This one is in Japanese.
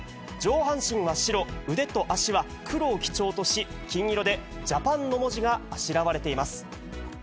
上半身は白、腕と脚は黒を基調とし、金色でジャパンの文字があしらわれています。